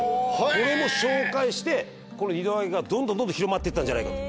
これも紹介してこの二度揚げがどんどんどんどん広まってったんじゃないかと。